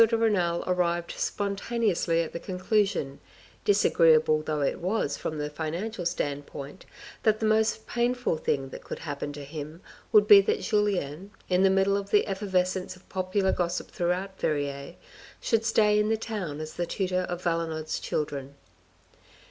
de Renal arrived spon taneously at the conclusion, disagreeable though it was from the financial standpoint, that the most painful thing that could happen to him would be that Julien, in the middle of the effervescence of popular gossip throughout Verrieres, should stay in the town as the tutor of Valenod's children.